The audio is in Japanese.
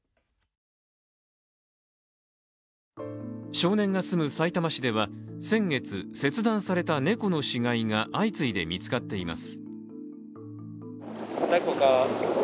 少年が住むさいたま市では先月、切断された猫の死骸が相次いで見つかっています。